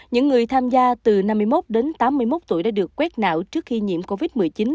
những người tham gia từ năm mươi một đến tám mươi một tuổi đã được quét nạo trước khi nhiễm covid một mươi chín